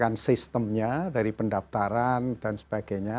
menyiapkan sistemnya dari pendaftaran dan sebagainya